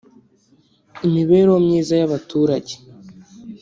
imibereho myiza y’abaturage